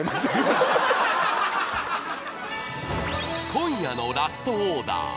［今夜のラストオーダー］